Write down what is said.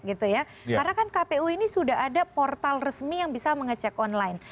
karena kan kpu ini sudah ada portal resmi yang bisa mengecek online